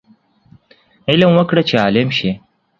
علم وکړه چې عالم شې